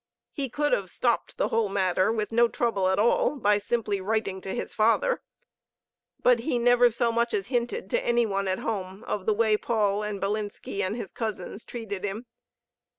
He could have stopped the whole matter with no trouble at all, by simply writing to his father. But he never so much as hinted to any one at home of the way Paul and Bilinski and his cousins treated him.